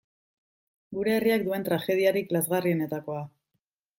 Gure herriak duen tragediarik lazgarrienetakoa.